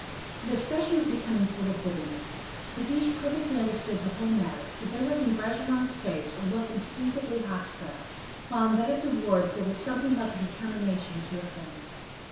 The discussion was becoming full of bitterness. De Guiche perfectly understood the whole matter, for there was in Bragelonne's face a look instinctively hostile, while in that of De Wardes there was something like a determination to offend.